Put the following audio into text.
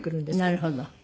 なるほど。